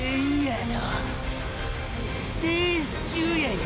レース中やよ？